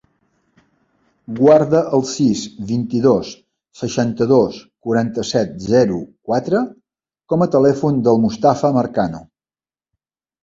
Guarda el sis, vint-i-dos, seixanta-dos, quaranta-set, zero, quatre com a telèfon del Mustafa Marcano.